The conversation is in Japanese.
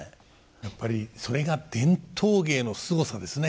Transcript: やっぱりそれが伝統芸のすごさですね。